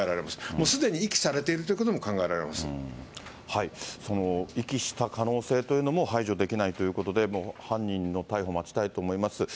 もうすでに遺棄されているというその遺棄した可能性というのも排除できないということで、もう犯人の逮捕を待ちたいと思います。